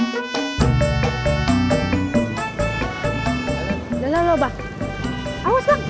jalan jalan bang awas bang